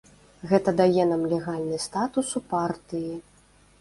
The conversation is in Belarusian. Гэта дае нам легальны статус у партыі.